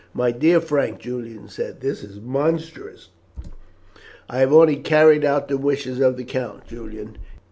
"My dear Frank," Julian said, "this is monstrous." "I have only carried out the wishes of the count, Julian.